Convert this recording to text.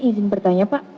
izin bertanya pak